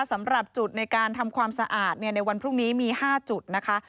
สำหรับจุดในการทำความสะอาดในวันพรุ่งนี้มี๕จุดนะคะ